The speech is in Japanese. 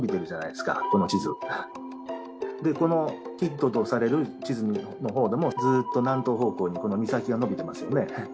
でこのキッドとされる地図の方でもずーっと南東方向に岬がのびてますよね。